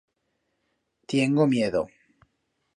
Tiengo miedo.